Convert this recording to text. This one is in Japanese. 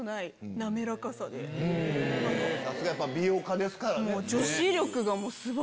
さすが美容家ですからね。